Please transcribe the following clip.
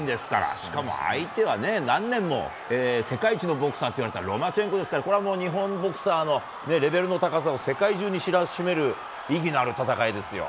しかも相手は何年も世界一のボクサーと呼ばれたロマチェンコですからこれはもう、日本ボクサーのレベルの高さを世界中に知らしめる意義のある戦いですよ。